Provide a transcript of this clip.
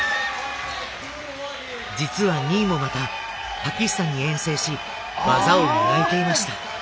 実はニーもまたパキスタンに遠征し技を磨いていました。